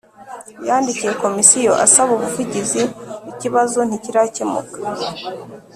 Yandikiye Komisiyo asaba ubuvugizi ku kibazo Ntikirakemuka